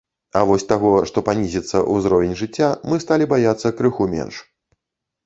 А вось таго, што панізіцца ўзровень жыцця, мы сталі баяцца крыху менш.